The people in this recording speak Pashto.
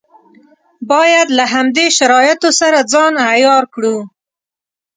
باید له همدې شرایطو سره ځان عیار کړو.